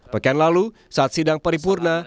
pekan lalu saat sidang paripurna